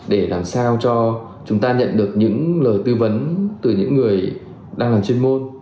để làm sao cho chúng ta nhận được những lời tư vấn từ những người đang làm chuyên môn